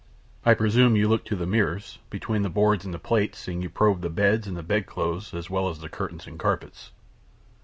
"I presume you looked to the mirrors, between the boards and the plates, and you probed the beds and the bedclothes, as well as the curtains and carpets."